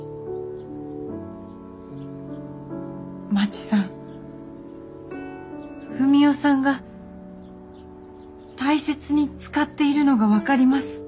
まちさんふみおさんが大切に使っているのが分かります。